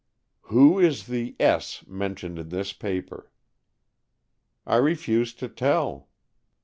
"Who is the S. mentioned on this paper?" "I refuse to tell."